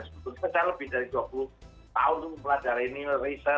sebetulnya lebih dari dua puluh tahun untuk mempelajari ini